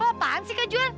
apaan sih kak juan